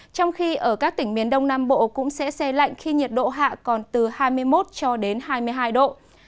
trong khi ở các tỉnh miền đông nam bộ cũng sẽ xe lạnh khi nhiệt độ hạ còn từ hai mươi một cho đến hai mươi hai độ